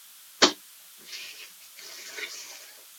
加登是奥地利下奥地利州默德林县的一个市镇。